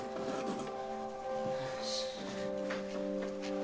よし。